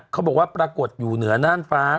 เขาบอกว่าปรากฏอยู่เหนือน่านฟ้า